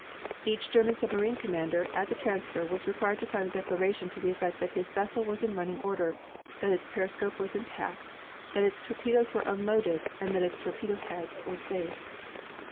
Each German submarine commander at the transfer was required to sign a declaration to the effect that his vessel was in running order, that its periscope was intact, that its torpedoes were unloaded and that its torpedo heads were safe.